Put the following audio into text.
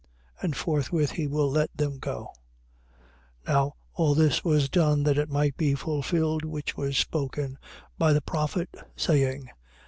And forthwith he will let them go. 21:4. Now all this was done that it might be fulfilled which was spoken by the prophet, saying: 21:5.